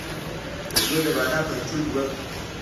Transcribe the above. د ژوند د معنی په لټون وم